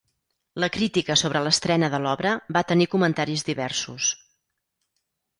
La crítica sobre l'estrena de l'obra va tenir comentaris diversos.